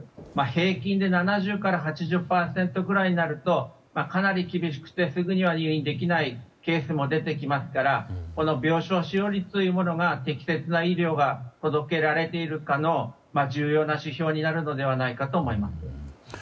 平均で７０から８０％ぐらいになるとかなり厳しくてすぐには入院できないケースも出てきますから病床使用率というものが適切な医療が届けられているかの重要な指標になるのではと思います。